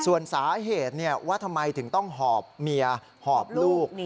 ส่วนสาเหตุว่าทำไมถึงต้องหอบเมียหอบลูก